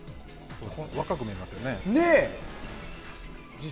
若く見えますよね。